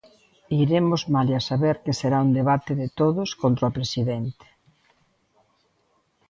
Iremos malia saber que será un debate de todos contra o presidente.